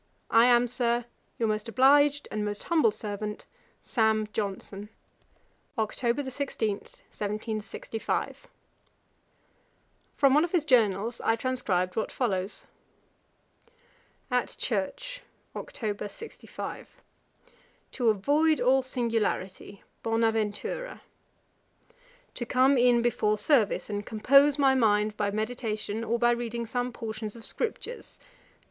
'I am, Sir, 'Your most obliged 'And most humble servant, 'Sam. Johnson.' 'Oct. 16, 1765.' From one of his journals I transcribed what follows: 'At church, Oct. 65. 'To avoid all singularity; Bonaventura. 'To come in before service, and compose my mind by meditation, or by reading some portions of scriptures.